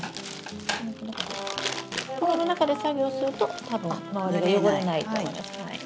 袋の中で作業すると多分周りが汚れないと思います。